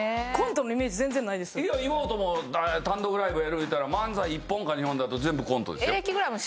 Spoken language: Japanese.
いや岩尾とも単独ライブやるいうたら漫才１本か２本であと全部コントですよ。